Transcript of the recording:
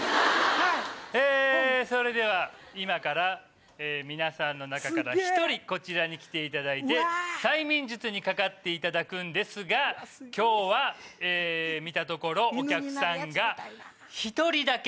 えそれでは今から皆さんの中から１人こちらに来ていただいて催眠術にかかっていただくんですが今日は見たところお客さんが１人だけ。